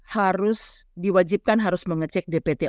harus diwajibkan harus mengecek dpt